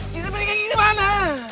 kita pernikahan kita mana